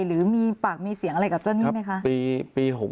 หรือปากสีอะไรกับเจ้านี่ไหมคะ